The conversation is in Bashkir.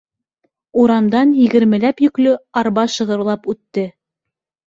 Урамдан егермеләп йөклө арба шығырлап үтте.